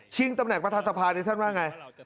ตำแหน่งประธานสภาท่านว่าไง